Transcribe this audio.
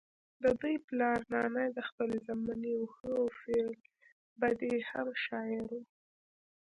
ددوي پلار نانے د خپلې زمانې يو ښۀ او في البديهه شاعر وو